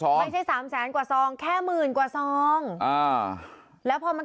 ไม่ใช่สามแสนกว่าซองแค่หมื่นกว่าซองอ่าแล้วพอมัน